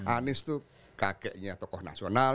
anies tuh kakeknya tokoh nasional